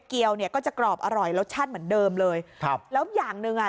เกียวเนี่ยก็จะกรอบอร่อยรสชาติเหมือนเดิมเลยครับแล้วอย่างหนึ่งอ่ะ